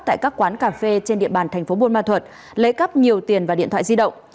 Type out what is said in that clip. tại các quán cà phê trên địa bàn tp bunma thuật lấy cắp nhiều tiền và điện thoại di động